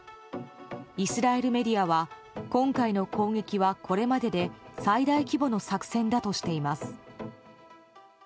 イスラエルメディアは今回の攻撃はこれまでで最大規模の作戦だとしています。